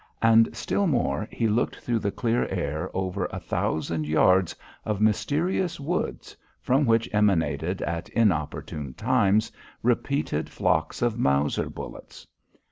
And still more, he looked through the clear air over 1,000 yards of mysterious woods from which emanated at inopportune times repeated flocks of Mauser bullets.